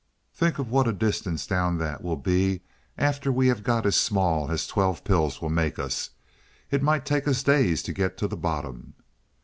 Think of what a distance down that will be after we have got as small as twelve pills will make us. It might take us days to get to the bottom."